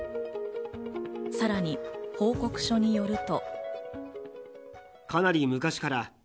さらに報告書によると。